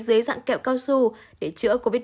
dưới dạng kẹo cao su để chữa covid một mươi